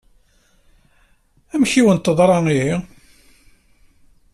Amek i d-awen-teḍṛa ihi?